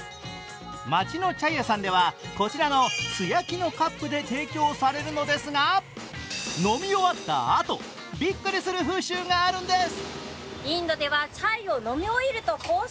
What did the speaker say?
街のチャイ屋さんでは、こちらの素焼きのカップで提供されるのですが、飲み終わったあと、びっくりする風習があるんです。